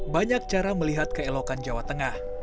banyak cara melihat keelokan jawa tengah